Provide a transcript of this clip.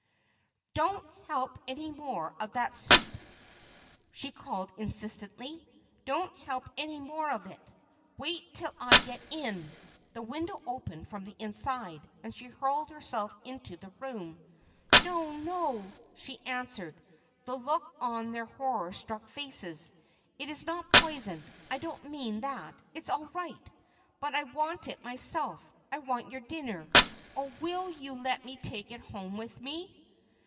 "Don't help any more of that soup," she called insistently. "Don't help any more of it—wait till I get in." The window opened from the inside, and she hurled herself into the room. "No, no!" she answered the look on their horror struck faces, "it's not poisoned. I don't mean that—it's all right; but I want it myself, I want your dinner. Oh, will you let me take it home with me?"